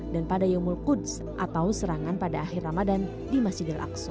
dan pada yom kudus atau serangan pada akhir ramadan di masjid al aqsa